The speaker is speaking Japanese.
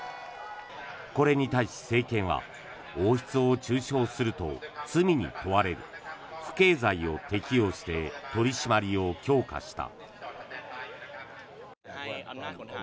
これに対し、政権は王室を中傷すると罪に問われる不敬罪を適用して取り締まりを強化した。